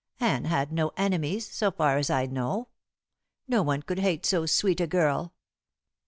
Anne had no enemies, so far as I know. No one could hate so sweet a girl.